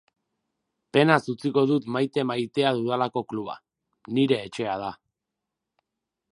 Penaz utziko dut maite-maitea dudalako kluba, nire etxea da.